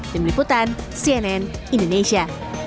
tim liputan cnn indonesia